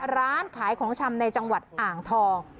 ร้านขายของชำในจังหวัดอ่างทอง